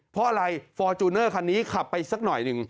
เพราะอะไรฟอร์จูเนอร์คันนี้ขับไปสักหน่อยหนึ่ง